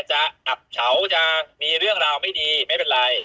จะอับเฉาจะมีเรื่องราวไม่ดีไม่เป็นไร